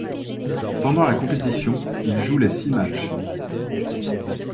Pendant la compétition, il joue les six matchs.